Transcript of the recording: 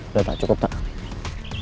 udah kang cukup kang